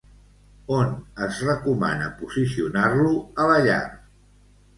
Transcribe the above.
On es recomana posicionar-lo, a la llar?